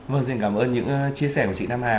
vâng xin cảm ơn những chia sẻ của chị nam hà